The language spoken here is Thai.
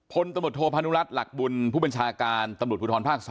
พลตมธโภพนุรัตรหลักบุญผู้เป็นชาการตมศภูทธรภาค๓